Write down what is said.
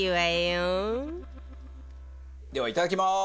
ではいただきます。